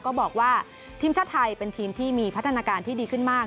ก็บอกว่าทีมชาติไทยเป็นทีมที่มีพัฒนาการที่ดีขึ้นมาก